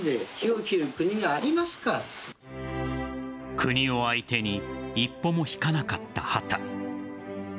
国を相手に一歩も引かなかった畑。